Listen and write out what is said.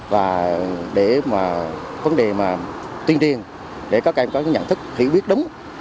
và để vấn đề tuyên tiên để các em có nhận thức hiểu biết đúng